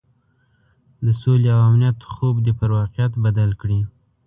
د سولې او امنیت خوب دې پر واقعیت بدل کړي.